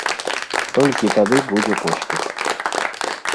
Толькі тады будзе поспех.